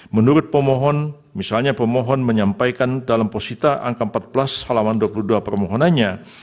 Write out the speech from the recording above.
menurut pemohon misalnya pemohon menyampaikan dalam posisita angka empat belas halaman dua puluh dua permohonannya